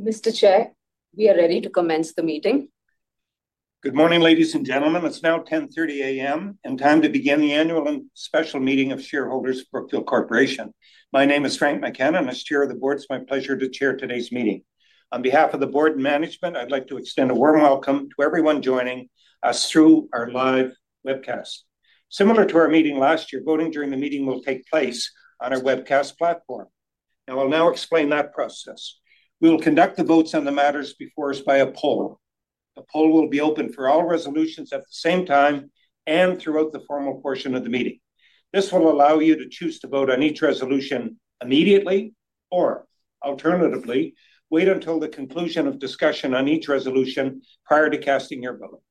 Mr. Chair, we are ready to commence the meeting. Good morning, ladies and gentlemen. It's now 10:30 A.M., and time to begin the annual and special meeting of shareholders of Brookfield Corporation. My name is Frank McKenna, and as Chair of the Board, it's my pleasure to chair today's meeting. On behalf of the Board and Management, I'd like to extend a warm welcome to everyone joining us through our live webcast. Similar to our meeting last year, voting during the meeting will take place on our webcast platform. I'll now explain that process. We will conduct the votes on the matters before us by a poll. The poll will be open for all resolutions at the same time and throughout the formal portion of the meeting. This will allow you to choose to vote on each resolution immediately or, alternatively, wait until the conclusion of discussion on each resolution prior to casting your vote.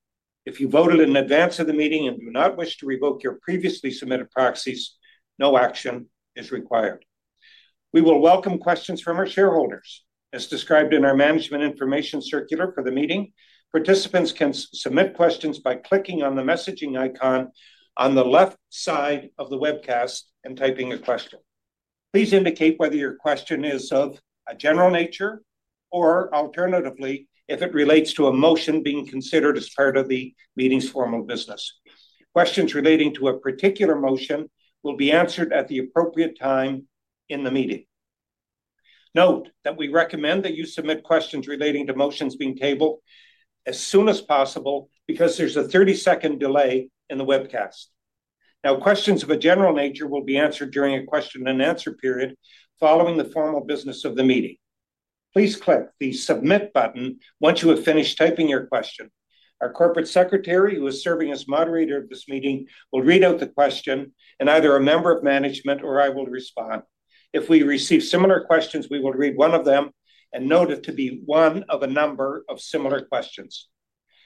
If you voted in advance of the meeting and do not wish to revoke your previously submitted proxies, no action is required. We will welcome questions from our shareholders. As described in our management information circular for the meeting, participants can submit questions by clicking on the messaging icon on the left side of the webcast and typing a question. Please indicate whether your question is of a general nature or, alternatively, if it relates to a motion being considered as part of the meeting's formal business. Questions relating to a particular motion will be answered at the appropriate time in the meeting. Note that we recommend that you submit questions relating to motions being tabled as soon as possible because there is a 30-second delay in the webcast. Now, questions of a general nature will be answered during a Q&A period following the formal business of the meeting. Please click the submit button once you have finished typing your question. Our corporate secretary, who is serving as moderator of this meeting, will read out the question, and either a member of management or I will respond. If we receive similar questions, we will read one of them and note it to be one of a number of similar questions.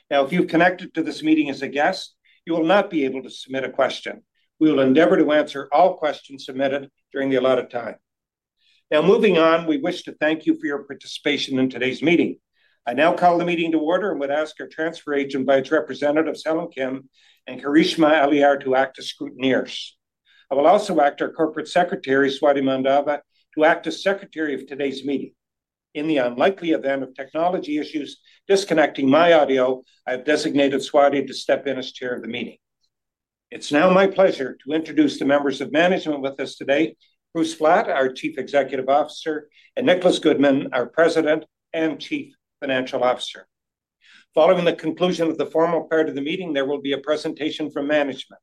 Now, if you've connected to this meeting as a guest, you will not be able to submit a question. We will endeavor to answer all questions submitted during the allotted time. Now, moving on, we wish to thank you for your participation in today's meeting. I now call the meeting to order and would ask our transfer agent by its representatives, Helen Kim and Kareeshma Aliar, to act as scrutineers. I will also ask our Corporate Secretary, Swati Mandava, to act as secretary of today's meeting. In the unlikely event of technology issues disconnecting my audio, I have designated Swati to step in as Chair of the Meeting. It's now my pleasure to introduce the members of management with us today: Bruce Flatt, our Chief Executive Officer, and Nicholas Goodman, our President and Chief Financial Officer. Following the conclusion of the formal part of the meeting, there will be a presentation from management.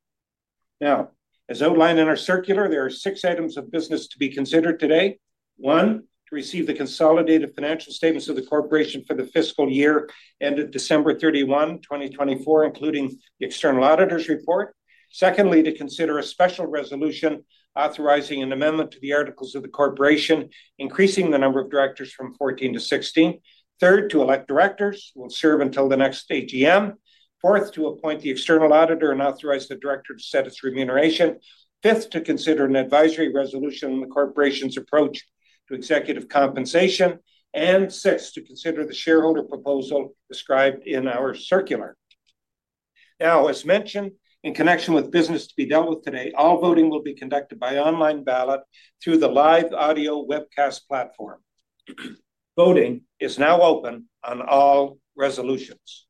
Now, as outlined in our circular, there are six items of business to be considered today. One, to receive the consolidated financial statements of the Corporation for the fiscal year ended December 31, 2024, including the external auditor's report. Secondly, to consider a special resolution authorizing an amendment to the articles of the Corporation, increasing the number of Directors from 14-16. Third, to elect Directors who will serve until the next ATM. Fourth, to appoint the external auditor and authorize the director to set its remuneration. Fifth, to consider an advisory resolution on the Corporation's approach to executive compensation. Sixth, to consider the shareholder proposal described in our circular. Now, as mentioned, in connection with business to be dealt with today, all voting will be conducted by online ballot through the live audio webcast platform. Voting is now open on all resolutions.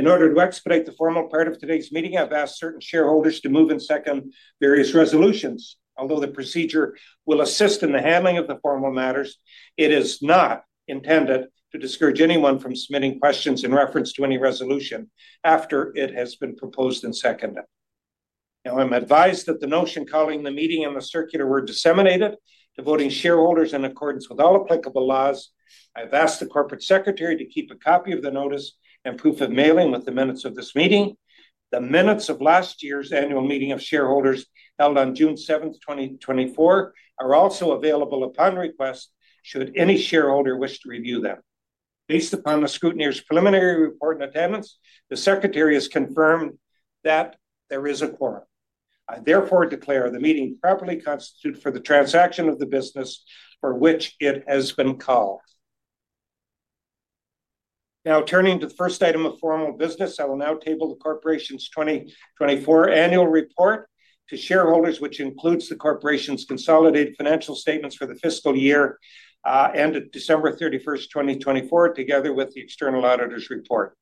In order to expedite the formal part of today's meeting, I've asked certain shareholders to move and second various resolutions. Although the procedure will assist in the handling of the formal matters, it is not intended to discourage anyone from submitting questions in reference to any resolution after it has been proposed and seconded. Now, I'm advised that the notice calling the meeting and the circular were disseminated to voting shareholders in accordance with all applicable laws. I've asked the Corporate Secretary to keep a copy of the notice and proof of mailing with the minutes of this meeting. The minutes of last year's annual meeting of shareholders held on June 7th, 2024, are also available upon request should any shareholder wish to review them. Based upon the scrutineer's preliminary report and attendance, the secretary has confirmed that there is a quorum. I therefore declare the meeting properly constituted for the transaction of the business for which it has been called. Now, turning to the first item of formal business, I will now table the Corporation's 2024 Annual Report to shareholders, which includes the Corporation's consolidated financial statements for the fiscal year ended December 31st, 2024, together with the external auditor's report.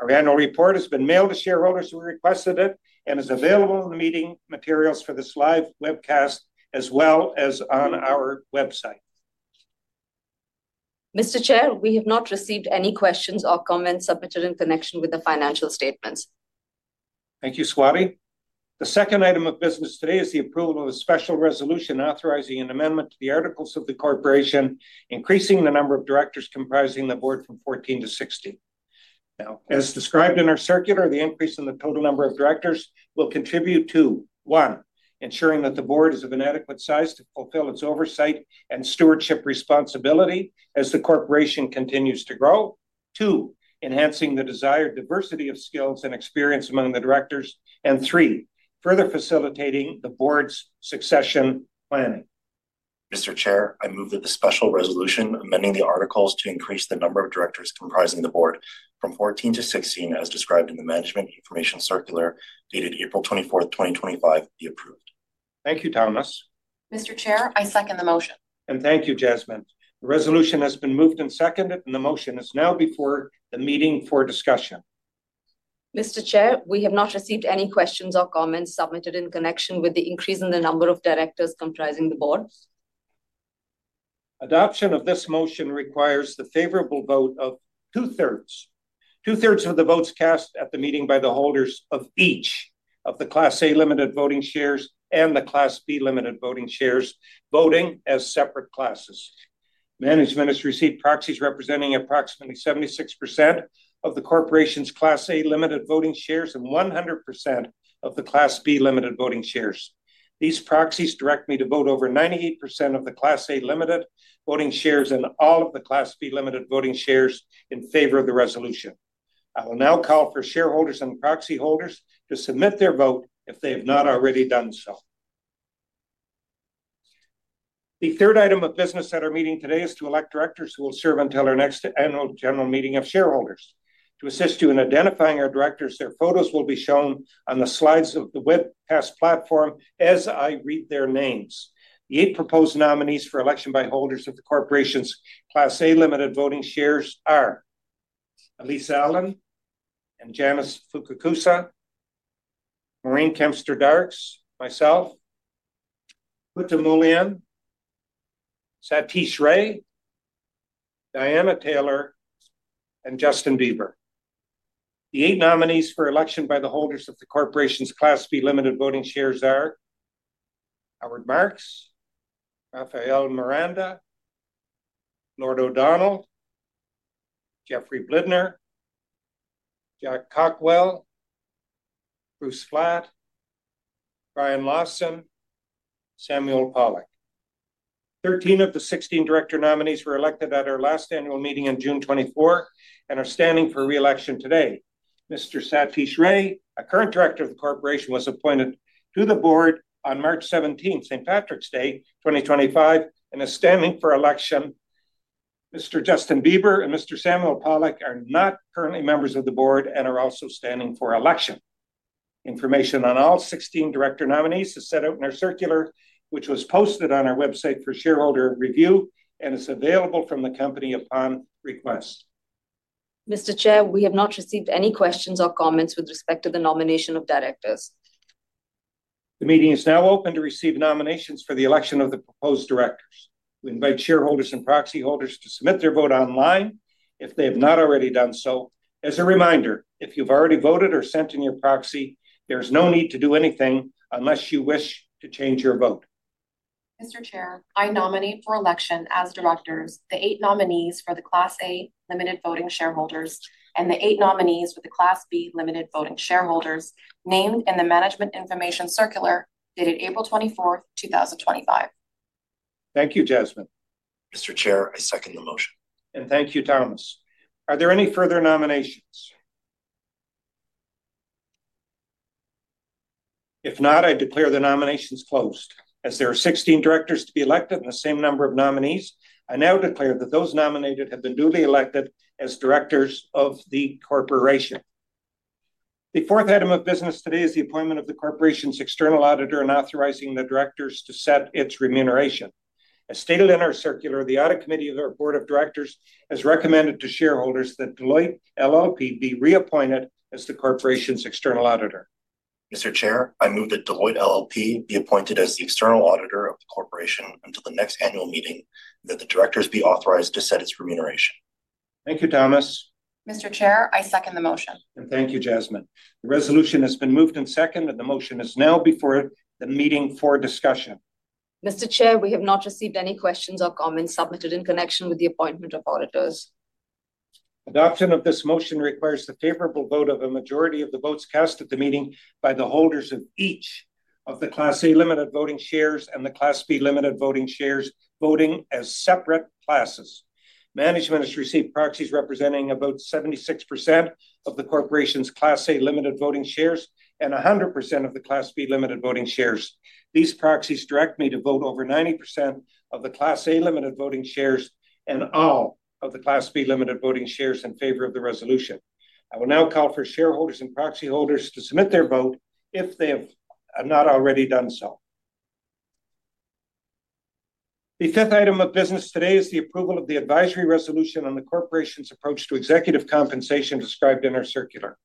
Our annual report has been mailed to shareholders who requested it and is available in the meeting materials for this live webcast as well as on our website. Mr. Chair, we have not received any questions or comments submitted in connection with the financial statements. Thank you, Swati. The second item of business today is the approval of a special resolution authorizing an amendment to the articles of the Corporation, increasing the number of Directors comprising the Board from 14-[16]. Now, as described in our circular, the increase in the total number of Directors will contribute to: one, ensuring that the Board is of an adequate size to fulfill its oversight and stewardship responsibility as the Corporation continues to grow; two, enhancing the desired diversity of skills and experience among the Directors; and three, further facilitating the Board's succession planning. Mr. Chair, I move that the special resolution amending the articles to increase the number of Directors comprising the Board from 14-16, as described in the management information circular dated April 24th, 2025, be approved. Thank you, Thomas. Mr. Chair, I second the motion. Thank you, Jasmine. The resolution has been moved and seconded, and the motion is now before the meeting for discussion. Mr. Chair, we have not received any questions or comments submitted in connection with the increase in the number of Directors comprising the Board. Adoption of this motion requires the favorable vote of twp-thirds. Two-thirds of the votes cast at the meeting by the holders of each of the Class A limited voting shares and the Class B limited voting shares voting as separate classes. Management has received proxies representing approximately 76% of the Corporation's Class A limited voting shares and 100% of the Class B limited voting shares. These proxies direct me to vote over 98% of the Class A limited voting shares and all of the Class B limited voting shares in favor of the resolution. I will now call for shareholders and proxy holders to submit their vote if they have not already done so. The third item of business at our meeting today is to elect Directors who will serve until our next annual general meeting of shareholders. To assist you in identifying our Directors, their photos will be shown on the slides of the webcast platform as I read their names. The eight proposed nominees for election by holders of the Corporation's Class A limited voting shares are: Elyse Allan and Janice Fukakusa, Maureen Kempston Darkes, myself, Hutham Olayan, Satish Rai, Diana Taylor, and Justin Beber. The eight nominees for election by the holders of the Corporation's Class B limited voting shares are: Howard Marks, Rafael Miranda, Lord O'Donnell, Jeffrey Blidner, Jack Cockwell, Bruce Flatt, Brian Lawson, Samuel Pollock. 13 of the 16 director nominees were elected at our last annual meeting on June 24 and are standing for reelection today. Mr. Satish Rai, a current Director of the Corporation, was appointed to the Board on March 17th, St. Patrick's Day 2025, and is standing for election. Mr. Justin Beber and Mr. Samuel Pollock are not currently Members of the Board and are also standing for election. Information on all 16 Director nominees is set out in our circular, which was posted on our website for shareholder review and is available from the company upon request. Mr. Chair, we have not received any questions or comments with respect to the nomination of Directors. The meeting is now open to receive nominations for the election of the proposed Directors. We invite shareholders and proxy holders to submit their vote online if they have not already done so. As a reminder, if you've already voted or sent in your proxy, there is no need to do anything unless you wish to change your vote. Mr. Chair, I nominate for election as Directors the eight nominees for the Class A limited voting shareholders and the eight nominees for the Class B limited voting shareholders named in the management information circular dated April 24, 2025. Thank you, Jasmine. Mr. Chair, I second the motion. Thank you, Thomas. Are there any further nominations? If not, I declare the nominations closed. As there are 16 Directors to be elected and the same number of nominees, I now declare that those nominated have been duly elected as Directors of the Corporation. The fourth item of business today is the appointment of the Corporation's External Auditor and authorizing the Directors to set its remuneration. As stated in our circular, the audit committee of our Board of Directors has recommended to shareholders that Deloitte LLP be reappointed as the Corporation's External Auditor. Mr. Chair, I move that Deloitte LLP be appointed as the external auditor of the Corporation until the next annual meeting and that the Directors be authorized to set its remuneration. Thank you, Thomas. Mr. Chair, I second the motion. Thank you, Jasmine. The resolution has been moved and seconded, and the motion is now before the meeting for discussion. Mr. Chair, we have not received any questions or comments submitted in connection with the appointment of auditors. Adoption of this motion requires the favorable vote of a majority of the votes cast at the meeting by the holders of each of the Class A limited voting shares and the Class B limited voting shares voting as separate classes. Management has received proxies representing about 76% of the Corporation's Class A limited voting shares and 100% of the Class B limited voting shares. These proxies direct me to vote over 90% of the Class A limited voting shares and all of the Class B limited voting shares in favor of the resolution. I will now call for shareholders and proxy holders to submit their vote if they have not already done so. The fifth item of business today is the approval of the advisory resolution on the Corporation's approach to executive compensation described in our circular.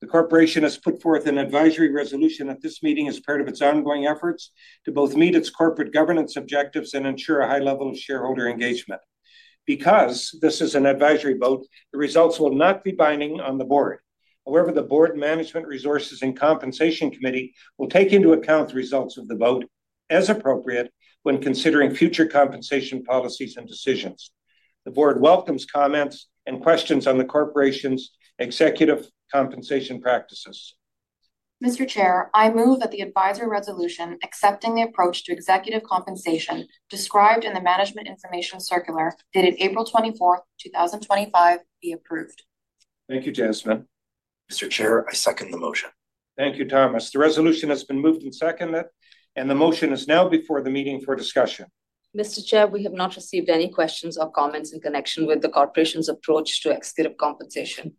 The Corporation has put forth an advisory resolution at this meeting as part of its ongoing efforts to both meet its Corporate Governance objectives and ensure a high level of shareholder engagement. Because this is an advisory vote, the results will not be binding on the Board. However, the Board Management Resources and compensation committee will take into account the results of the vote as appropriate when considering future compensation policies and decisions. The Board welcomes comments and questions on the Corporation's executive compensation practices. Mr. Chair, I move that the advisory resolution accepting the approach to Executive Compensation described in the management information circular dated April 24, 2025, be approved. Thank you, Jasmine. Mr. Chair, I second the motion. Thank you, Thomas. The resolution has been moved and seconded, and the motion is now before the meeting for discussion. Mr. Chair, we have not received any questions or comments in connection with the corporation's approach to executive compensation.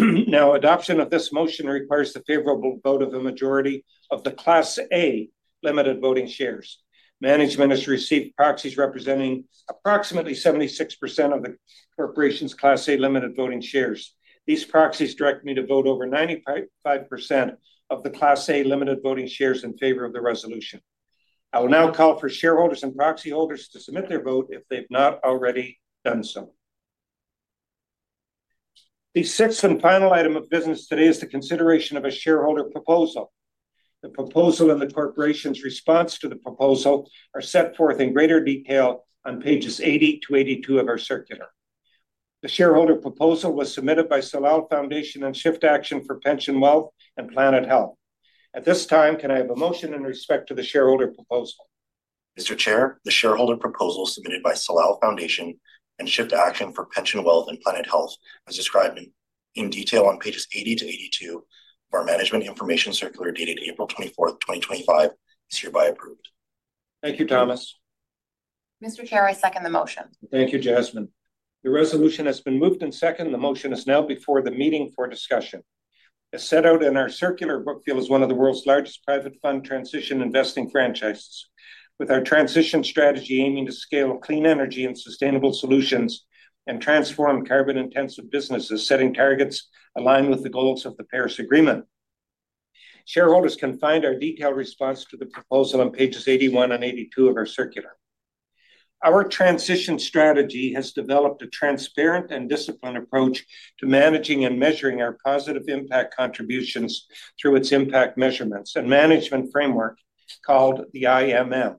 Now, adoption of this motion requires the favorable vote of a majority of the Class A limited voting shares. Management has received proxies representing approximately 76% of the Corporation's Class A limited voting shares. These proxies direct me to vote over 95% of the Class A limited voting shares in favor of the resolution. I will now call for shareholders and proxy holders to submit their vote if they have not already done so. The sixth and final item of business today is the consideration of a shareholder proposal. The proposal and the Corporation's response to the proposal are set forth in greater detail on pages 80-82 of our Circular. The shareholder proposal was submitted by Salal Foundation and Shift Action for Pension Wealth and Planet Health. At this time, can I have a motion in respect to the shareholder proposal? Mr. Chair, the shareholder proposal submitted by Salal Foundation and Shift Action for Pension Wealth and Planet Health, as described in detail on pages 80-82 of our Management Information Circular dated April 24th, 2025, is hereby approved. Thank you, Thomas. Mr. Chair, I second the motion. Thank you, Jasmine. The resolution has been moved and seconded. The motion is now before the meeting for discussion. As set out in our Circular, Brookfield is one of the world's largest private fund transition investing franchises, with our transition strategy aiming to scale clean energy and sustainable solutions and transform carbon-intensive businesses, setting targets aligned with the goals of the Paris Agreement. Shareholders can find our detailed response to the proposal on pages 81-82 of our circular. Our transition strategy has developed a transparent and disciplined approach to managing and measuring our positive impact contributions through its Impact Measurements and Management Framework called the IMM.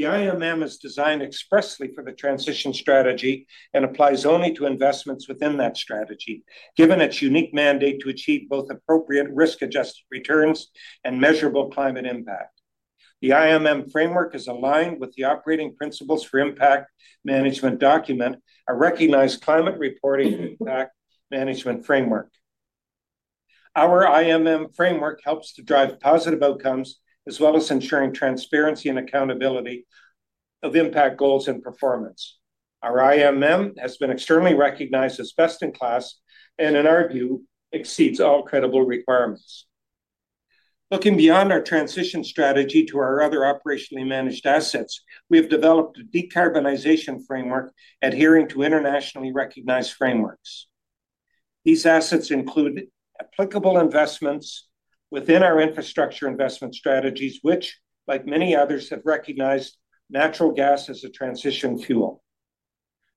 The IMM is designed expressly for the transition strategy and applies only to investments within that strategy, given its unique mandate to achieve both appropriate risk-adjusted returns and measurable climate impact. The IMM framework is aligned with the operating principles for impact management document, a recognized climate reporting impact management framework. Our IMM Framework helps to drive positive outcomes as well as ensuring transparency and accountability of impact goals and performance. Our IMM has been extremely recognized as best in class and, in our view, exceeds all credible requirements. Looking beyond our transition strategy to our other operationally managed assets, we have developed a decarbonization framework adhering to internationally recognized frameworks. These assets include applicable investments within our infrastructure investment strategies, which, like many others, have recognized natural gas as a transition fuel.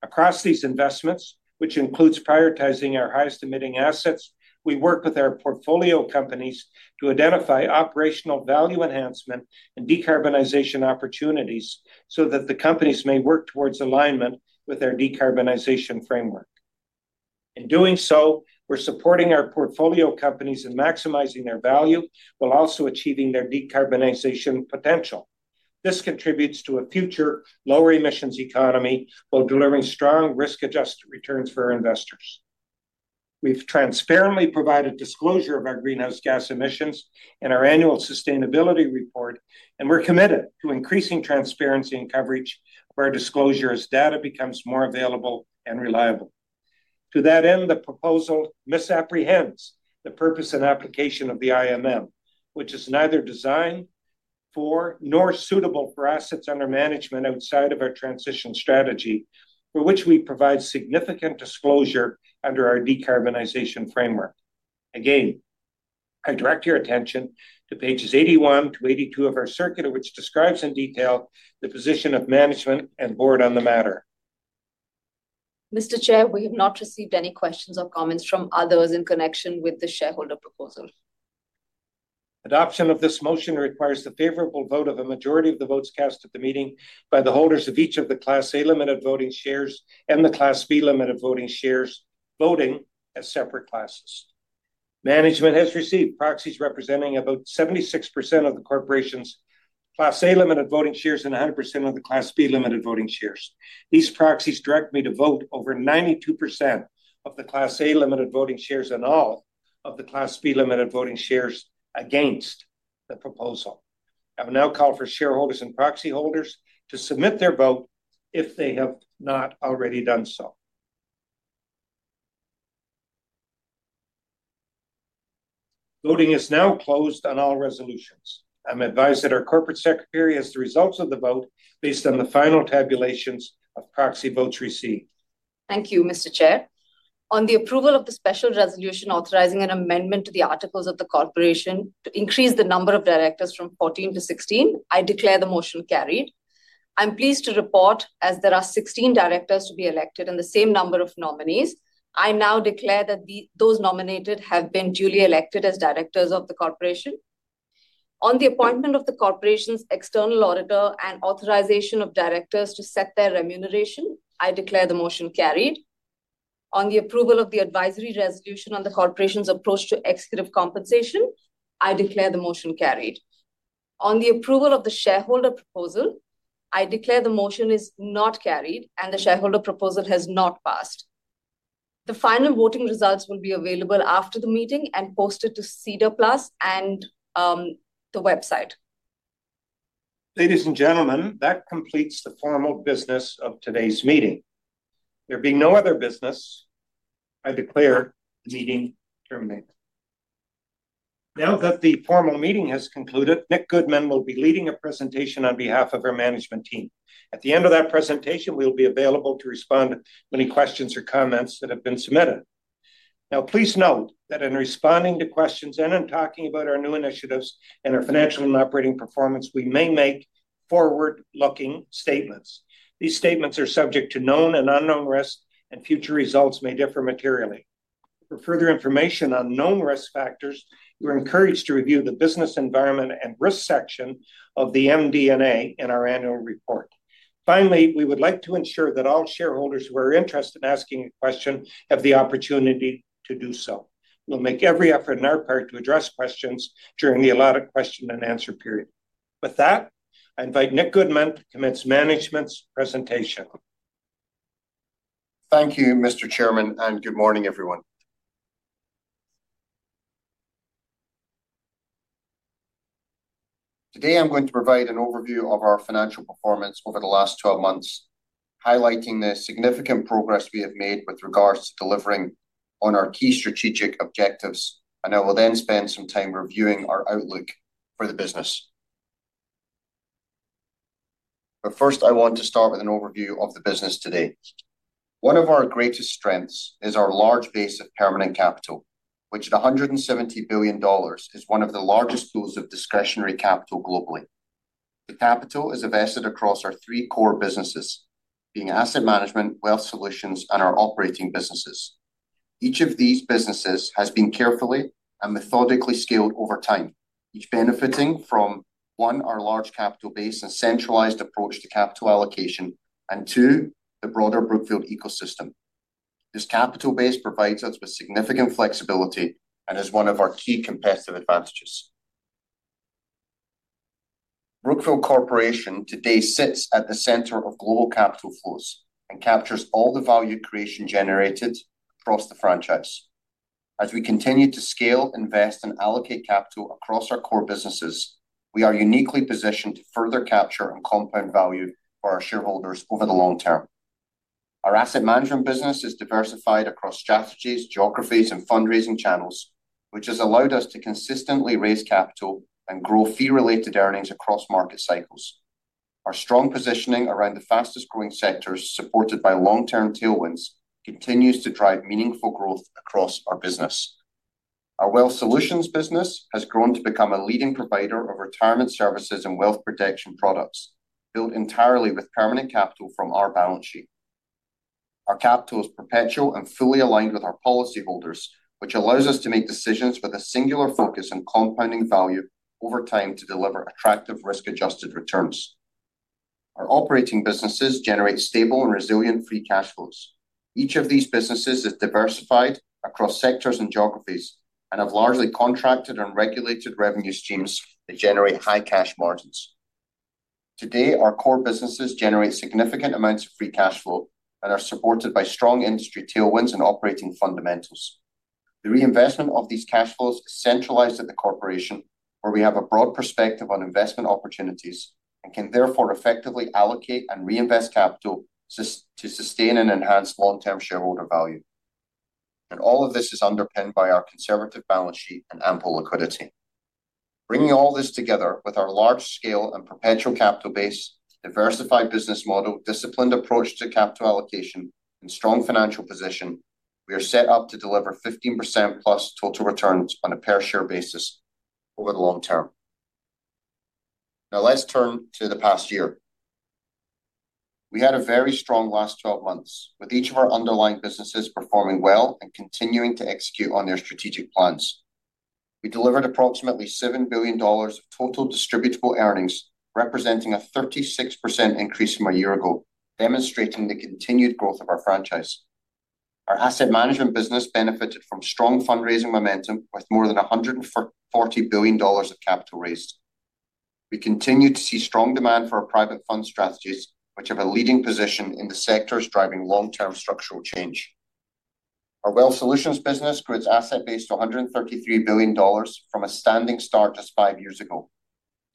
Across these investments, which includes prioritizing our highest emitting assets, we work with our portfolio companies to identify operational value enhancement and decarbonization opportunities so that the companies may work towards alignment with our decarbonization framework. In doing so, we're supporting our portfolio companies in maximizing their value while also achieving their decarbonization potential. This contributes to a future lower emissions economy while delivering strong risk-adjusted returns for our investors. We've transparently provided disclosure of our greenhouse gas emissions in our annual sustainability report, and we're committed to increasing transparency and coverage of our disclosure as data becomes more available and reliable. To that end, the proposal misapprehends the purpose and application of the IMM, which is neither designed for nor suitable for assets under management outside of our transition strategy, for which we provide significant disclosure under our decarbonization framework. Again, I direct your attention to pages 81-82 of our circular, which describes in detail the position of management and Board on the matter. Mr. Chair, we have not received any questions or comments from others in connection with the shareholder proposal. Adoption of this motion requires the favorable vote of a majority of the votes cast at the meeting by the holders of each of the Class A limited voting shares and the Class B limited voting shares voting as separate classes. Management has received proxies representing about 76% of the Corporation's Class A limited voting shares and 100% of the Class B limited voting shares. These proxies direct me to vote over 92% of the Class A limited voting shares and all of the Class B limited voting shares against the proposal. I will now call for shareholders and proxy holders to submit their vote if they have not already done so. Voting is now closed on all resolutions. I'm advised that our corporate secretary has the results of the vote based on the final tabulations of proxy votes received. Thank you, Mr. Chair. On the approval of the special resolution authorizing an amendment to the articles of the Corporation to increase the number of Directors from 14-16, I declare the motion carried. I'm pleased to report, as there are 16 Directors to be elected and the same number of nominees, I now declare that those nominated have been duly elected as Directors of the Corporation. On the appointment of the Corporation's External Auditor and authorization of Directors to set their remuneration, I declare the motion carried. On the approval of the advisory resolution on the Corporation's approach to Executive Compensation, I declare the motion carried. On the approval of the shareholder proposal, I declare the motion is not carried and the shareholder proposal has not passed. The final voting results will be available after the meeting and posted to SEDAR+ and the website. Ladies and gentlemen, that completes the formal business of today's meeting. There being no other business, I declare the meeting terminated. Now that the formal meeting has concluded, Nick Goodman will be leading a presentation on behalf of our management team. At the end of that presentation, we'll be available to respond to any questions or comments that have been submitted. Now, please note that in responding to questions and in talking about our new initiatives and our financial and operating performance, we may make forward-looking statements. These statements are subject to known and unknown risks, and future results may differ materially. For further information on known risk factors, you're encouraged to review the business environment and risk section of the MD&A in our annual report. Finally, we would like to ensure that all shareholders who are interested in asking a question have the opportunity to do so. We'll make every effort on our part to address questions during the allotted question and answer period. With that, I invite Nick Goodman to commence management's presentation. Thank you, Mr. Chairman, and good morning, everyone. Today, I'm going to provide an overview of our financial performance over the last 12 months, highlighting the significant progress we have made with regards to delivering on our key strategic objectives, and I will then spend some time reviewing our outlook for the business. First, I want to start with an overview of the business today. One of our greatest strengths is our large base of permanent capital, which at $170 billion is one of the largest pools of discretionary capital globally. The capital is invested across our three core businesses, being asset management, wealth solutions, and our operating businesses. Each of these businesses has been carefully and methodically scaled over time, each benefiting from, one, our large capital base and centralized approach to capital allocation, and, two, the broader Brookfield ecosystem. This capital base provides us with significant flexibility and is one of our key competitive advantages. Brookfield Corporation today sits at the center of global capital flows and captures all the value creation generated across the franchise. As we continue to scale, invest, and allocate capital across our core businesses, we are uniquely positioned to further capture and compound value for our shareholders over the long term. Our asset management business is diversified across strategies, geographies, and fundraising channels, which has allowed us to consistently raise capital and grow fee-related earnings across market cycles. Our strong positioning around the fastest-growing sectors, supported by long-term tailwinds, continues to drive meaningful growth across our business. Our wealth solutions business has grown to become a leading provider of retirement services and wealth protection products, built entirely with permanent capital from our balance sheet. Our capital is perpetual and fully aligned with our policyholders, which allows us to make decisions with a singular focus on compounding value over time to deliver attractive risk-adjusted returns. Our operating businesses generate stable and resilient free cash flows. Each of these businesses is diversified across sectors and geographies and have largely contracted and regulated revenue streams that generate high cash margins. Today, our core businesses generate significant amounts of free cash flow and are supported by strong industry tailwinds and operating fundamentals. The reinvestment of these cash flows is centralized at the Corporation, where we have a broad perspective on investment opportunities and can therefore effectively allocate and reinvest capital to sustain and enhance long-term shareholder value. All of this is underpinned by our conservative balance sheet and ample liquidity. Bringing all this together with our large-scale and perpetual capital base, diversified business model, disciplined approach to capital allocation, and strong financial position, we are set up to deliver 15%+ total returns on a per-share basis over the long term. Now, let's turn to the past year. We had a very strong last 12 months, with each of our underlying businesses performing well and continuing to execute on their strategic plans. We delivered approximately $7 billion of total distributable earnings, representing a 36% increase from a year ago, demonstrating the continued growth of our franchise. Our asset management business benefited from strong fundraising momentum with more than $140 billion of capital raised. We continue to see strong demand for our private fund strategies, which have a leading position in the sectors driving long-term structural change. Our wealth solutions business grew its asset base to $133 billion from a standing start just five years ago.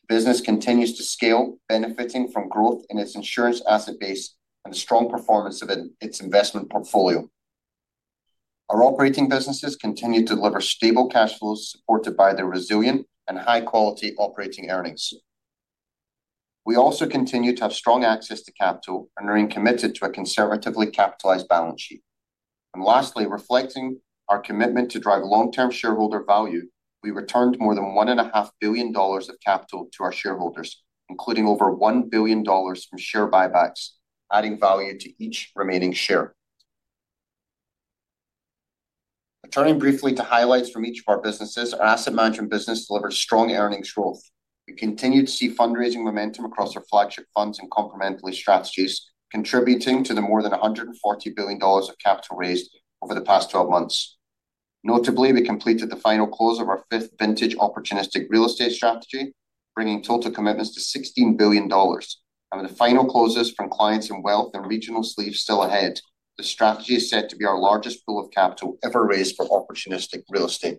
The business continues to scale, benefiting from growth in its insurance asset base and the strong performance of its investment portfolio. Our operating businesses continue to deliver stable cash flows supported by their resilient and high-quality operating earnings. We also continue to have strong access to capital and remain committed to a conservatively capitalized balance sheet. Lastly, reflecting our commitment to drive long-term shareholder value, we returned more than $1.5 billion of capital to our shareholders, including over $1 billion from share buybacks, adding value to each remaining share. Returning briefly to highlights from each of our businesses, our asset management business delivered strong earnings growth. We continue to see fundraising momentum across our flagship funds and complementary strategies, contributing to the more than $140 billion of capital raised over the past 12 months. Notably, we completed the final close of our fifth vintage opportunistic real estate strategy, bringing total commitments to $16 billion. With the final closes from clients in wealth and regional sleeves still ahead, the strategy is set to be our largest pool of capital ever raised for opportunistic real estate.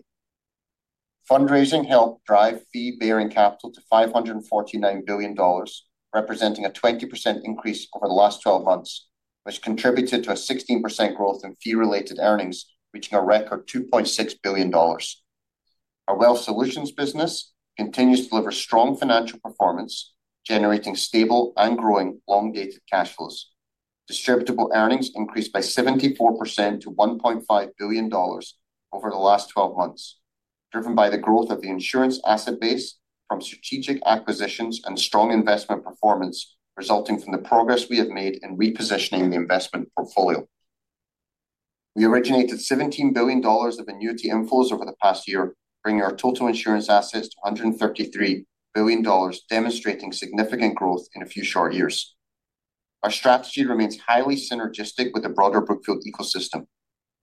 Fundraising helped drive fee-bearing capital to $549 billion, representing a 20% increase over the last 12 months, which contributed to a 16% growth in fee-related earnings, reaching a record $2.6 billion. Our wealth solutions business continues to deliver strong financial performance, generating stable and growing long-dated cash flows. Distributable earnings increased by 74% to $1.5 billion over the last 12 months, driven by the growth of the insurance asset base from strategic acquisitions and strong investment performance resulting from the progress we have made in repositioning the investment portfolio. We originated $17 billion of annuity inflows over the past year, bringing our total insurance assets to $133 billion, demonstrating significant growth in a few short years. Our strategy remains highly synergistic with the broader Brookfield ecosystem.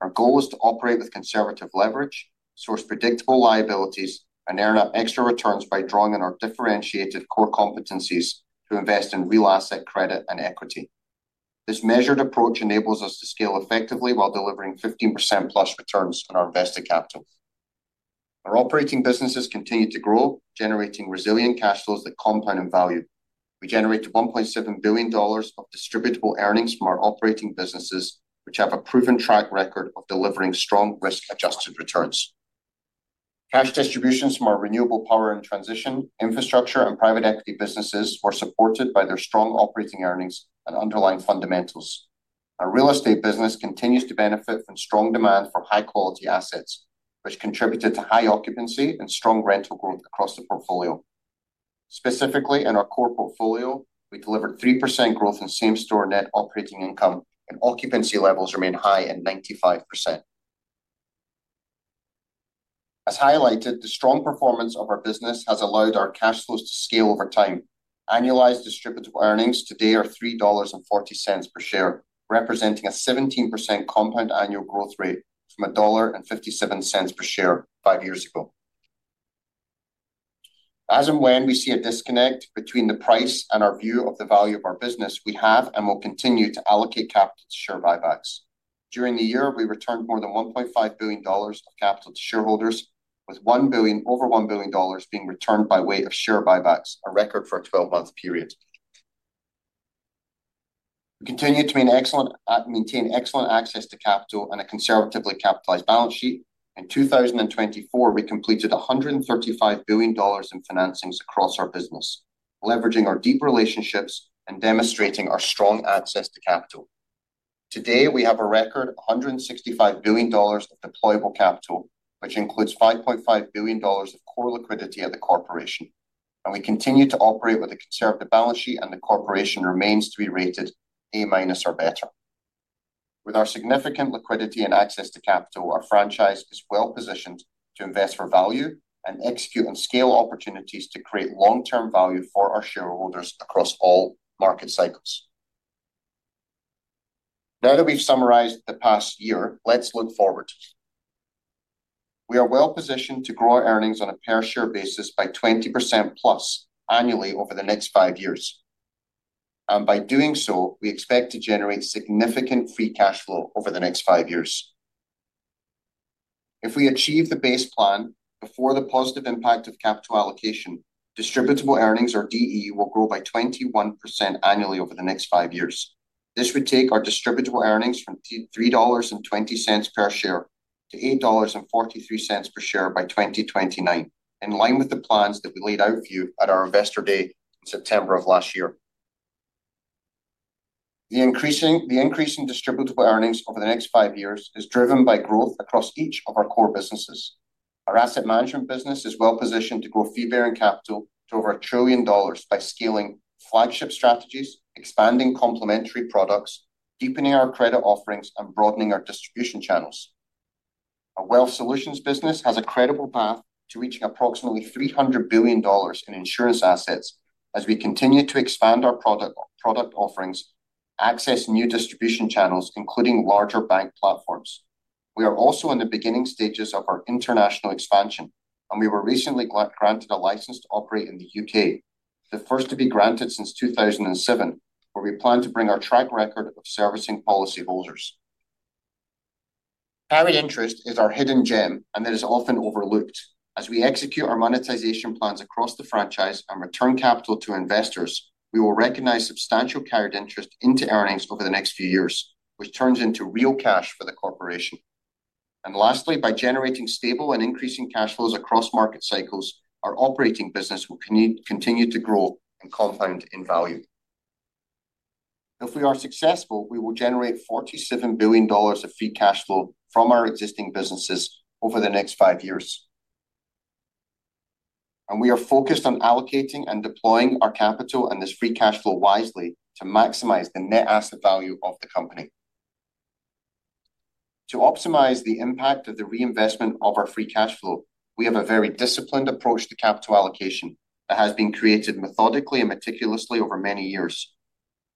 Our goal is to operate with conservative leverage, source predictable liabilities, and earn up extra returns by drawing on our differentiated core competencies to invest in real asset credit and equity. This measured approach enables us to scale effectively while delivering 15%+ returns on our invested capital. Our operating businesses continue to grow, generating resilient cash flows that compound in value. We generated $1.7 billion of distributable earnings from our operating businesses, which have a proven track record of delivering strong risk-adjusted returns. Cash distributions from our renewable power and transition, infrastructure, and private equity businesses were supported by their strong operating earnings and underlying fundamentals. Our real estate business continues to benefit from strong demand for high-quality assets, which contributed to high occupancy and strong rental growth across the portfolio. Specifically, in our core portfolio, we delivered 3% growth in same-store net operating income, and occupancy levels remain high at 95%. As highlighted, the strong performance of our business has allowed our cash flows to scale over time. Annualized distributable earnings today are $3.40 per share, representing a 17% compound annual growth rate from $1.57 per share five years ago. As and when we see a disconnect between the price and our view of the value of our business, we have and will continue to allocate capital to share buybacks. During the year, we returned more than $1.5 billion of capital to shareholders, with over $1 billion being returned by way of share buybacks, a record for a 12-month period. We continue to maintain excellent access to capital and a conservatively capitalized balance sheet. In 2024, we completed $135 billion in financings across our business, leveraging our deep relationships and demonstrating our strong access to capital. Today, we have a record $165 billion of deployable capital, which includes $5.5 billion of core liquidity at the Corporation. We continue to operate with a conservative balance sheet, and the Corporation remains to be rated A- or better. With our significant liquidity and access to capital, our franchise is well-positioned to invest for value and execute on scale opportunities to create long-term value for our shareholders across all market cycles. Now that we've summarized the past year, let's look forward. We are well-positioned to grow our earnings on a per-share basis by 20% plus annually over the next five years. By doing so, we expect to generate significant free cash flow over the next five years. If we achieve the base plan before the positive impact of capital allocation, distributable earnings, or DE, will grow by 21% annually over the next five years. This would take our distributable earnings from $3.20 per share to $8.43 per share by 2029, in line with the plans that we laid out for you at our investor day in September of last year. The increasing distributable earnings over the next five years is driven by growth across each of our core businesses. Our asset management business is well-positioned to grow fee-bearing capital to over $1 trillion by scaling flagship strategies, expanding complementary products, deepening our credit offerings, and broadening our distribution channels. Our wealth solutions business has a credible path to reaching approximately $300 billion in insurance assets as we continue to expand our product offerings, access new distribution channels, including larger bank platforms. We are also in the beginning stages of our international expansion, and we were recently granted a license to operate in the U.K., the first to be granted since 2007, where we plan to bring our track record of servicing policyholders. Carried interest is our hidden gem, and it is often overlooked. As we execute our monetization plans across the franchise and return capital to investors, we will recognize substantial carried interest into earnings over the next few years, which turns into real cash for the Corporation. Lastly, by generating stable and increasing cash flows across market cycles, our operating business will continue to grow and compound in value. If we are successful, we will generate $47 billion of fee cash flow from our existing businesses over the next five years. We are focused on allocating and deploying our capital and this free cash flow wisely to maximize the net asset value of the company. To optimize the impact of the reinvestment of our free cash flow, we have a very disciplined approach to capital allocation that has been created methodically and meticulously over many years.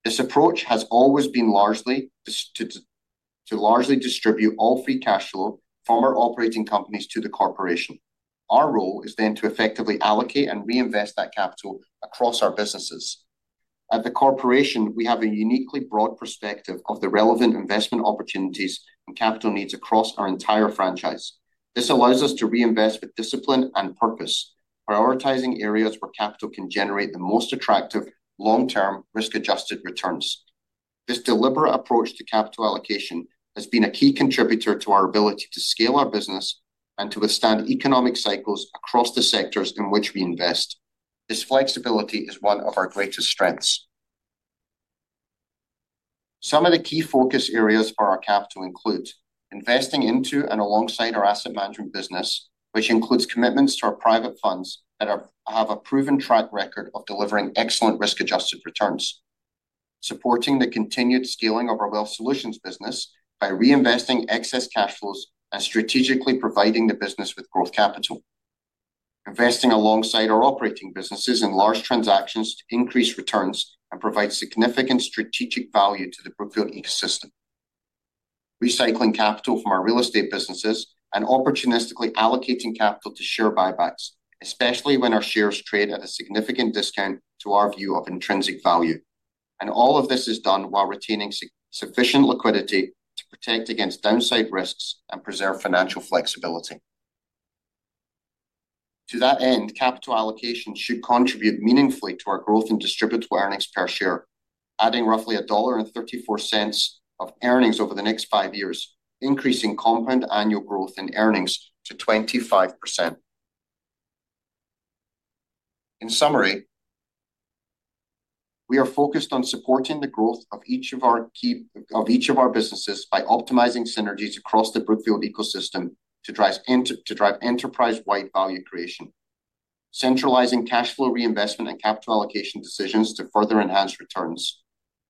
This approach has always been largely to distribute all free cash flow from our operating companies to the Corporation. Our role is then to effectively allocate and reinvest that capital across our businesses. At the Corporation, we have a uniquely broad perspective of the relevant investment opportunities and capital needs across our entire franchise. This allows us to reinvest with discipline and purpose, prioritizing areas where capital can generate the most attractive long-term risk-adjusted returns. This deliberate approach to capital allocation has been a key contributor to our ability to scale our business and to withstand economic cycles across the sectors in which we invest. This flexibility is one of our greatest strengths. Some of the key focus areas for our capital include investing into and alongside our asset management business, which includes commitments to our private funds that have a proven track record of delivering excellent risk-adjusted returns, supporting the continued scaling of our wealth solutions business by reinvesting excess cash flows and strategically providing the business with growth capital, investing alongside our operating businesses in large transactions to increase returns and provide significant strategic value to the Brookfield ecosystem, recycling capital from our real estate businesses, and opportunistically allocating capital to share buybacks, especially when our shares trade at a significant discount to our view of intrinsic value. All of this is done while retaining sufficient liquidity to protect against downside risks and preserve financial flexibility. To that end, capital allocation should contribute meaningfully to our growth in distributable earnings per share, adding roughly $1.34 of earnings over the next five years, increasing compound annual growth in earnings to 25%. In summary, we are focused on supporting the growth of each of our key businesses by optimizing synergies across the Brookfield ecosystem to drive enterprise-wide value creation, centralizing cash flow reinvestment and capital allocation decisions to further enhance returns,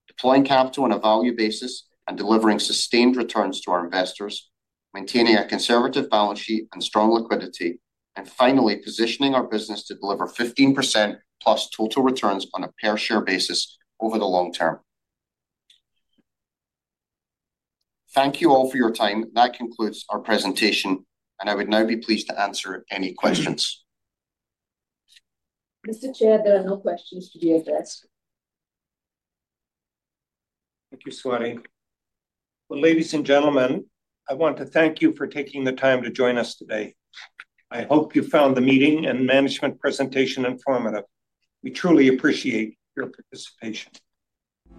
deploying capital on a value basis and delivering sustained returns to our investors, maintaining a conservative balance sheet and strong liquidity, and finally, positioning our business to deliver 15% plus total returns on a per-share basis over the long term. Thank you all for your time. That concludes our presentation, and I would now be pleased to answer any questions. Mr. Chair, there are no questions to be addressed. Thank you, Swati. Ladies and gentlemen, I want to thank you for taking the time to join us today. I hope you found the meeting and management presentation informative. We truly appreciate your participation.